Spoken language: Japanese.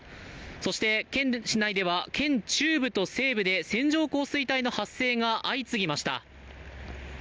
そして市内では県中部と西部で線状降水帯の発生が相次ぎました。